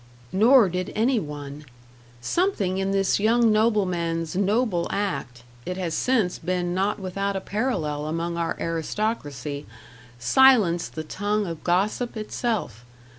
Nor did any one. Something in this young nobleman's noble act it has since been not without a parallel among our aristocracy silenced the tongue of gossip itself.